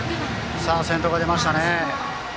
先頭が出ましたね。